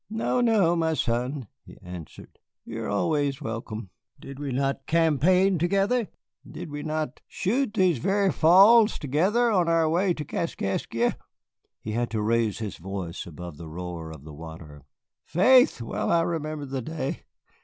"No, no, my son," he answered, "you are always welcome. Did we not campaign together? Did we not shoot these very falls together on our way to Kaskaskia?" He had to raise his voice above the roar of the water. "Faith, well I remember the day.